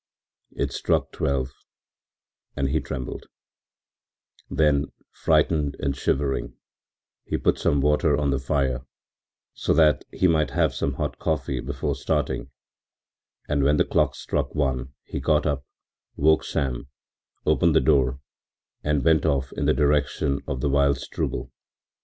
It struck twelve and he trembled: Then, frightened and shivering, he put some water on the fire, so that he might have some hot coffee before starting, and when the clock struck one he got up, woke Sam, opened the door and went off in the direction of the Wildstrubel.